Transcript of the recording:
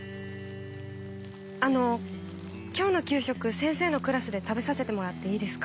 あの今日の給食先生のクラスで食べさせてもらっていいですか？